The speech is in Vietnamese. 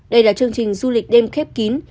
đây là chương trình du lịch đêm khép kín